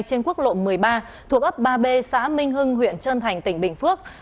trên quốc lộ một mươi ba thuộc ấp ba b xã minh hưng huyện trân thành tỉnh bình phước